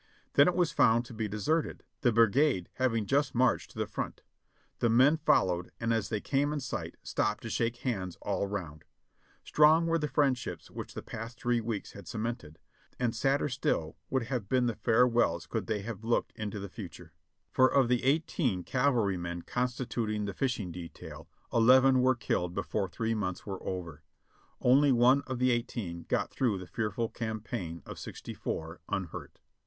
Then it was found to be deserted, the brigade having just marched to the front. The men fol lowed, and as they came in sight, stopped to shake hands all round. Strong were the friendships which the past three weeks ON THE FISHING SHORE 527 had cemented, and sadder still would have been the farewells could they have looked into the future; for of the eighteen cav alrymen constituting the fishing detail, eleven were killed before three months were over; only one of the eighteen got through the fearful campaign of sixty four, unhurt.